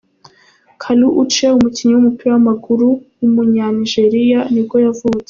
Kalu Uche, umukinnyi w’umuppira w’amaguru w’umunyanigeriya ni bwo yavutse.